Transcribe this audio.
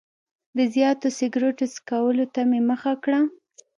د زیاتو سګرټو څکولو ته مې مخه کړه.